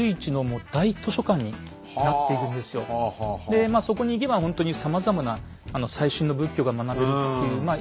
でそこに行けばほんとにさまざまな最新の仏教が学べるっていうまあ